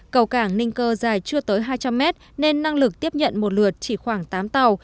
cầu cảng ninh cơ dài chưa tới hai trăm linh mét nên năng lực tiếp nhận một lượt chỉ khoảng tám tàu